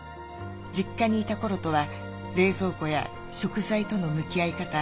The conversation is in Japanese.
実家にいた頃とは冷蔵庫や食材との向き合い方